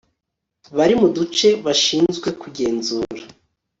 bari mu duce bashinzwe kugenzura